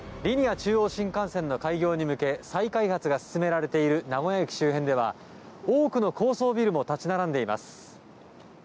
中央新幹線の開業に向け再開発が進められている名古屋駅周辺では多くの高層ビルも立ち並んでいます。